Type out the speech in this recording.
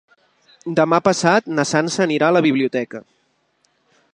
Demà passat na Sança anirà a la biblioteca.